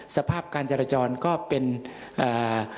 สภาพการจราจรก็เป็นเอ่อเอ่อ